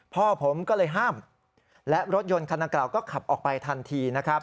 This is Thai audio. พ่อผมก็เลยห้ามและรถยนต์คันดังกล่าวก็ขับออกไปทันทีนะครับ